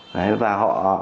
đấy và họ